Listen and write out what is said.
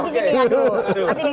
kita waktunya sudah habis ini